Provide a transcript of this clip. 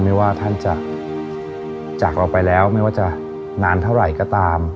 ไม่ว่าท่านจะจากเราไปแล้วไม่ว่าจะนานเท่าไหร่ก็ตาม